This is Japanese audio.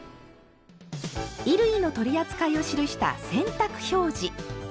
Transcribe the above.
衣類の取り扱いを記した「洗濯表示」。